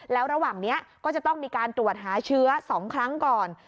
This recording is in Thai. แล้วระหว่างนี้ก็จะต้องมีการตรวจหาเชื้อ๒ครั้งก่อน